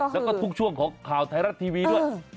แล้วก็ทุกช่วงของข่าวไทยรัฐทีวีด้วย